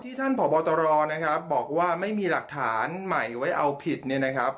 ท่านผอบตรนะครับบอกว่าไม่มีหลักฐานใหม่ไว้เอาผิดเนี่ยนะครับ